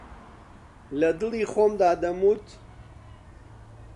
لەدڵی خۆمدا دەموت